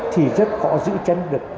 thì rất khó giữ chân được doanh nghiệp